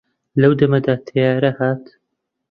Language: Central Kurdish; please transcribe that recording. لەو دەمەدا تەیارە هات